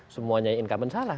semuanya incumbent salah